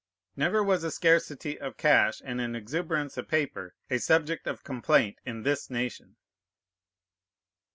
Never was a scarcity of cash and an exuberance of paper a subject of complaint in this nation.